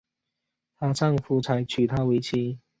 她丈夫才娶她为妻